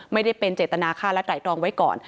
ไม่ได้เป็นเจตนาค่าและไตรรองไว้ก่อน